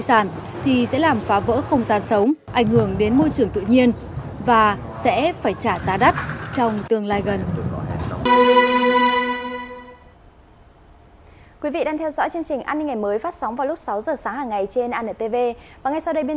ảnh hưởng đến môi trường tự nhiên và sẽ phải trả giá đắt trong tương lai gần